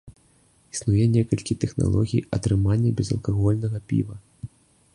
Існуе некалькі тэхналогій атрымання безалкагольнага піва.